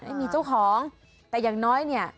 ไม่มีเจ้าของแต่อย่างน้อยเนี่ย